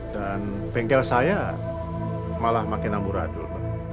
dan bengkel saya malah makin amuradul mbak